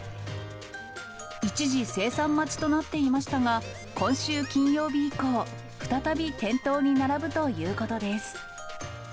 一時、生産待ちとなっていましたが、今週金曜日以降、再び店頭に並ぶということです。